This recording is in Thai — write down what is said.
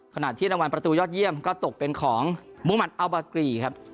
ขณะที่รางวัลประตูยอดเยี่ยมก็ตกเป็นของมุมันอัลบากรีครับ